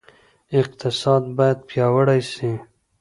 اقتصاد باید پیاوړی سي.